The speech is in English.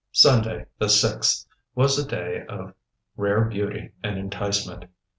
Sunday, the sixth, was a day of rare beauty and enticement.